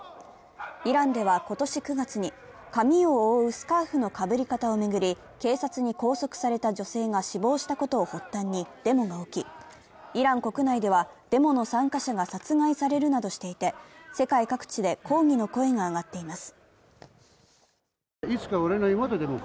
イランでは今年９月に髪を覆うスカーフのかぶり方を巡り警察に拘束された女性が死亡したことを発端にデモが起きイラン国内ではデモの参加者が殺害されるなどしていて、世界各地で抗議の声が上がっています。